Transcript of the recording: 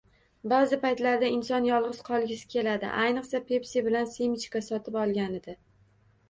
Ba'zi paytlarda inson yolg'iz qolgisi keladi. Ayniqsa, Pepsi bilan semechka sotib olganida...